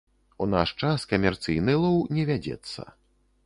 У наш час камерцыйны лоў не вядзецца.